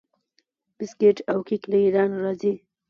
بسکیټ او کیک له ایران راځي.